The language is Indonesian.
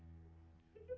aku sudah berjalan